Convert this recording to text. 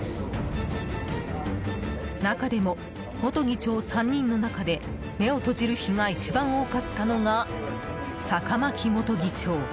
中でも、元議長３人の中で目を閉じる日が一番多かったのが坂巻元議長。